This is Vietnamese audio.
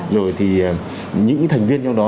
rồi thì những thành viên trong đó